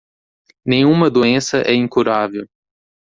Nenhuma doença é incurável